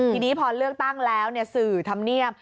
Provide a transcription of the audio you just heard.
ทีนี้พอเลือกตั้งแล้วเนี่ยสื่อทำเนียม